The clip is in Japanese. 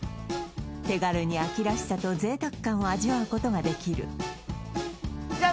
手軽に秋らしさと贅沢感を味わうことができるじゃあ